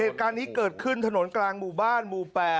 เหตุการณ์นี้เกิดขึ้นถนนกลางหมู่บ้านหมู่๘